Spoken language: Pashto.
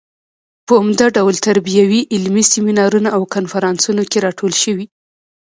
په عمده ډول تربیوي علمي سیمینارونو او کنفرانسونو کې راټولې شوې.